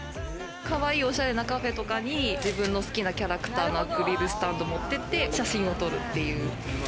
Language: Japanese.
かわいいおしゃれなカフェとかに自分の好きなキャラクターのアクリルスタンド持って行って、写真を撮るっていう。